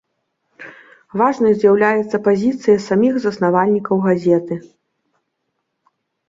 Важнай з'яўляецца пазіцыя саміх заснавальнікаў газеты.